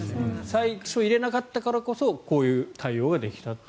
最初に入れなかったからこそこういう対応ができたと。